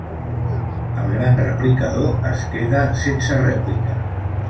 El gran replicador es queda sense rèplica.